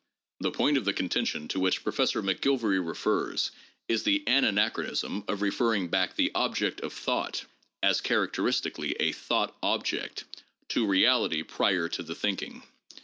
' The point of the contention to which Professor McGilvary refers is the ananachronism of referring back the "object of thought '' (as characteristically a thought object) to reality prior to the thinking.